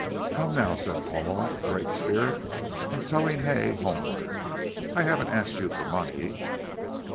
"Come now," said Paul, with great spirit and towing Hay homeward, "I haven't asked you for money."